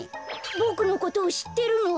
ボクのことをしってるの？